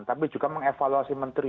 tapi juga mengevaluasi menteri